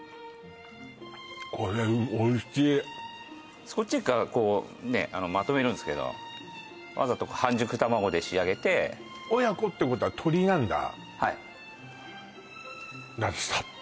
これおいしいスコッチエッグはこうまとめるんすけどわざと半熟卵で仕上げて「親子」ってことは鶏なんだ？